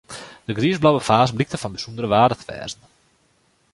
Dy griisblauwe faas blykt fan bysûndere wearde te wêze.